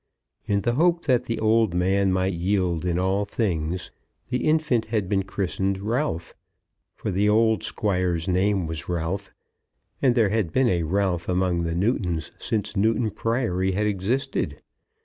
In the hope that the old man might yield in all things, the infant had been christened Ralph; for the old Squire's name was Ralph, and there had been a Ralph among the Newtons since Newton Priory had existed.